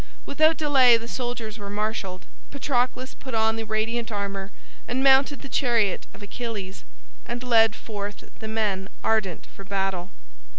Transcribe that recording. Without delay the soldiers were marshalled, Patroclus put on the radiant armor and mounted the chariot of Achilles, and led forth the men ardent for battle.